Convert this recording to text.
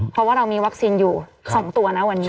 เพราะว่าเรามีวัคซีนอยู่๒ตัวนะวันนี้